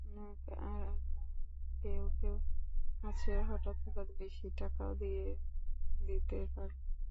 কারণ, কেউ কেউ আছে হঠাৎ হঠাৎ বেশি টাকাও দিয়ে দিতে পারে।